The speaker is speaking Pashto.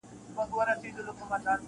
ځان را څخه هېر سي دا چي کله ته را یاد سې-